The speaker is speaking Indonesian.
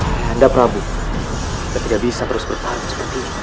ayahanda prabu kita tidak bisa terus berparuh seperti ini